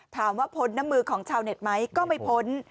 พ้นน้ำมือของชาวเน็ตไหมก็ไม่พ้น